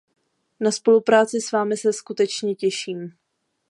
Na spolupráci s vámi se skutečně těším.